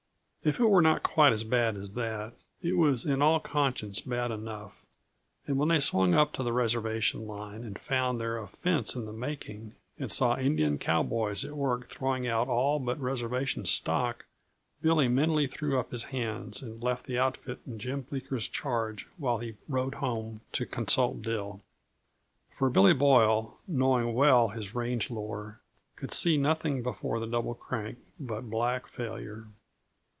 If it were not quite as bad as that, it was in all conscience bad enough, and when they swung up to the reservation line and found there a fence in the making, and saw the Indian cowboys at work throwing out all but reservation stock, Billy mentally threw up his hands and left the outfit in Jim Bleeker's charge while he rode home to consult Dill. For Billy Boyle, knowing well his range lore, could see nothing before the Double Crank but black failure.